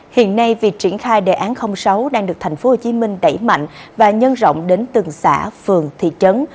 hiện nay việc triển khai đề án sáu đang được tp hcm đẩy mạnh và nhân rộng đến từng xã phường thị trấn